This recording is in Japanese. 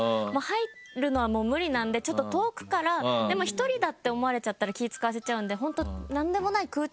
入るのは無理なんでちょっと遠くからでも一人だって思われちゃったら気使わせちゃうんで本当。